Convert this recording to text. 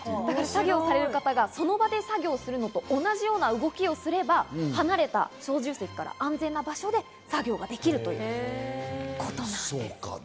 作業されてる方が、その場で作業をするのと同じ動きをすれば、離れた操縦席から安全な作業ができるということなんです。